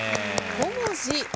５文字。